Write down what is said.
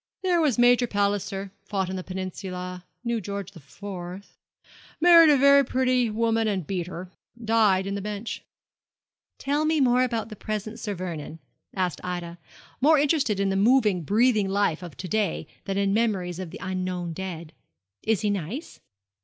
There was Major Palliser fought in the Peninsula knew George the Fourth married a very pretty woman and beat her died in the Bench.' 'Tell me about the present Sir Vernon,' asked Ida, more interested in the moving, breathing life of to day than in memories of the unknown dead. 'Is he nice?'